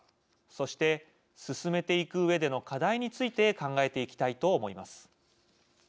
そして進めていくうえでの課題について考えていきたいと思います。